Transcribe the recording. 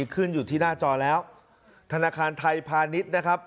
ขึ้นอยู่ที่หน้าจอแล้วธนาคารไทยพาณิชย์นะครับ